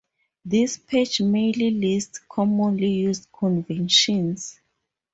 This page merely lists commonly used conventions.